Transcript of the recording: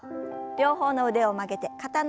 両方の腕を曲げて肩の横へ。